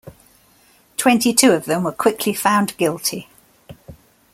Twenty-two of them were quickly found guilty.